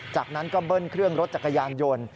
จากนั้นก็เบิ้ลเครื่องรถจักรยานยนต์